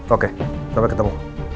oke sampai ketemu